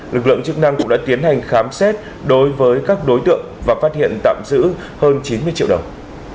lực lượng chức năng cũng đã tiến hành khám xét đối với các đối tượng và phát hiện tạm giữ hơn chín mươi triệu đồng